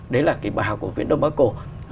đấy là cái bài học của viện đông bắc cổ